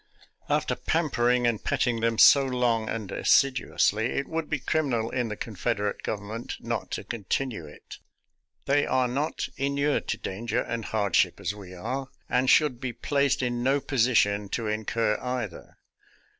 After pampering and petting them so long and assiduously, it would be criminal in the Confed erate Government not to continue it. They are not inured to danger and hardship as we are, and should be placed in no position to incur either.